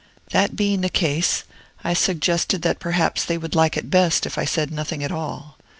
That being the case, I suggested that perhaps they would like it best if I said nothing at all.